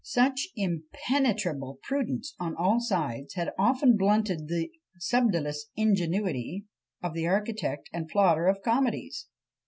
Such impenetrable prudence on all sides had often blunted the subdolous ingenuity of the architect and plotter of comedies!